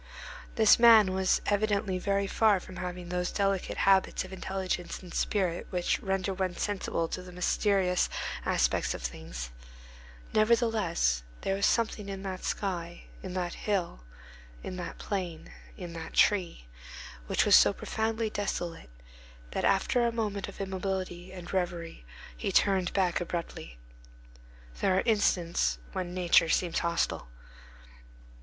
This man was evidently very far from having those delicate habits of intelligence and spirit which render one sensible to the mysterious aspects of things; nevertheless, there was something in that sky, in that hill, in that plain, in that tree, which was so profoundly desolate, that after a moment of immobility and reverie he turned back abruptly. There are instants when nature seems hostile.